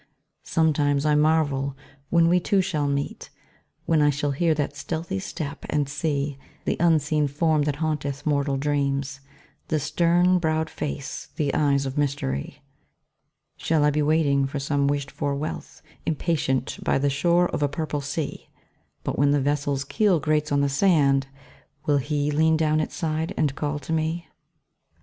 Sometimes I marvel when we two shall meet, When I shall hear that stealthy step, and see The unseen form that haunteth mortal dreams, The stern browed face, the eyes of mystery. Shall I be waiting for some wished for wealth, Impatient, by the shore of a purple sea? But when the vessel's keel grates on the sand, Will HE lean down its side and call to me?